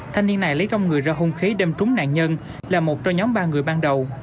thanh niên này lấy trong người ra hung khí đâm trúng nạn nhân là một trong nhóm ba người ban đầu